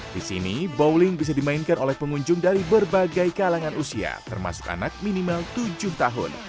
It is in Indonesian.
di sini bowling bisa dimainkan oleh pengunjung dari berbagai kalangan usia termasuk anak minimal tujuh tahun